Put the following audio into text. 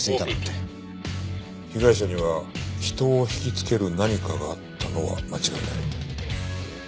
被害者には人を引きつける何かがあったのは間違いない。